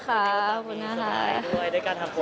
พี่แล้วต้องที่สไลน์ด้วยได้การทำโปรเจกต์